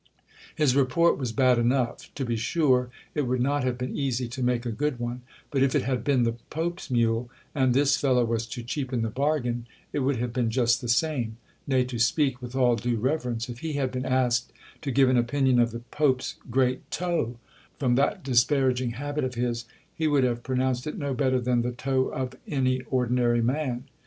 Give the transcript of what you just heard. His report was bad enough. To be sure, it would not have been easy to make a good one ; but if it had been the pope's mule, and this fellow was to cheapen the bargain, it would have been just the same : nay, to speak with all due reverence, if he had been asked to give an opinion of the pope's great toe, from that disparaging habit of his, he would have pronounced it no better than the toe of any ordinary man.